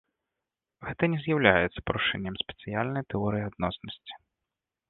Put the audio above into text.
Гэта не з'яўляецца парушэннем спецыяльнай тэорыі адноснасці.